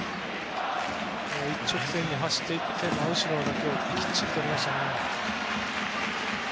一直線に走って行って真後ろの打球をきっちりとりました。